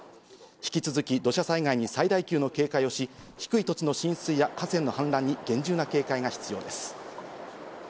引き続き土砂災害に最大級の警戒をし、低い土地の浸水や河川の氾濫に厳重な警戒が必要です。